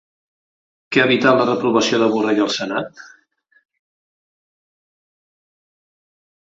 Què ha evitat la reprovació de Borrell al senat?